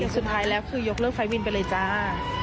สุดท้ายแล้วคือยกเลิกไฟล์วินไปเลยจ้า